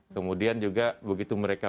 kemudian juga begitu mereka